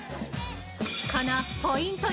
◆このポイント